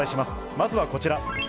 まずはこちら。